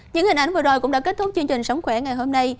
những hình ảnh vừa rồi cũng đã kết thúc chương trình sống khỏe ngày hôm nay